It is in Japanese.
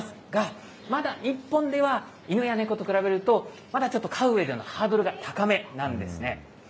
が、まだ日本では、犬や猫と比べると、まだちょっと飼ううえでのハードルが高めなんですね。